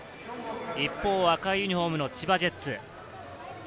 一方、赤いユニホームの千葉ジェッツ。